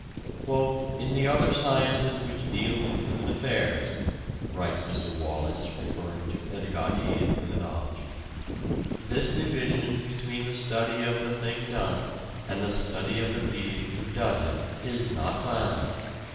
"In the other sciences which deal with human affairs," writes Mr. Wallas, referring to pedagogy and criminology, "this division between the study of the thing done and the study of the being who does it is not found."